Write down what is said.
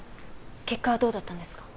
結果はどうだったんですか？